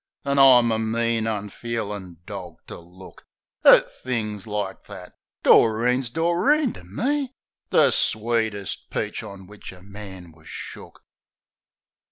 An' I'm a mean, unfeelin' dawg to look At things like that. Doreen's Doreen to me, The sweetest peach on w'ich a man wus shook.